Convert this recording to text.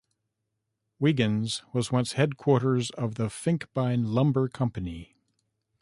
Wiggins was once headquarters of the Finkbine Lumber Company.